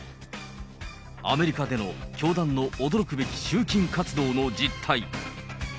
アメリカでの教団の驚くべき集金活動の実態。